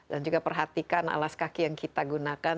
dan juga perhatikan alas kaki yang kita gunakan